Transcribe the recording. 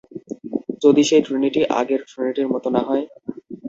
যদি সেই ট্রিনিটি আগের ট্রিনিটির মতো নাহয়?